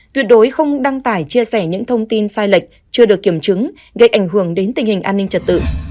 tuyệt đối không đăng tải chia sẻ những thông tin sai lệch chưa được kiểm chứng gây ảnh hưởng đến tình hình an ninh trật tự